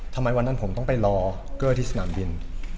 ทำไมวันนั้นผมต้องไปรอเกอร์ที่สนามบิน